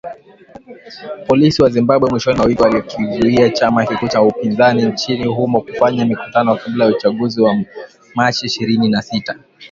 Polisi wa Zimbabwe mwishoni mwa wiki walikizuia chama kikuu cha upinzani nchini humo kufanya mikutano kabla ya uchaguzi wa Machi ishirini na sita